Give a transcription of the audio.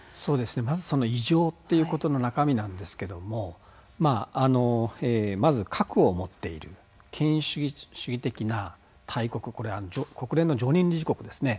まず異常ということの中身なんですけどもまず核を持っている権威主義的な大国、国連の常任理事国ですね。